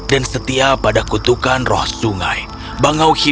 dan setia pada kebutuhan roh sungai